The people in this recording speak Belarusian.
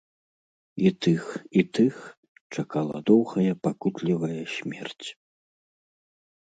І тых, і тых чакала доўгая пакутлівая смерць.